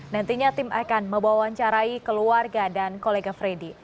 nantinya tim akan mewawancarai keluarga dan kolega freddy